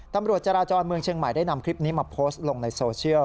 ตำรวจจราจรเมืองเชียงใหม่ได้นำคลิปนี้มาโพสต์ลงในโซเชียล